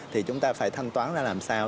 thì chúng ta phải thanh toán ra làm sao